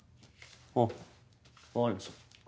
あ分かりました。